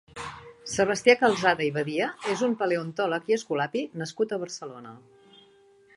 Sebastià Calzada i Badia és un paleontòlec i escolapi nascut a Barcelona.